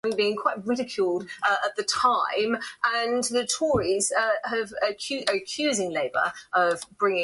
The label added George Benson, Chris Botti, Al Jarreau, Diana Krall, and Joe Sample.